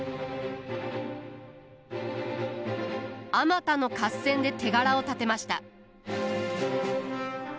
あまたの合戦で手柄を立てました。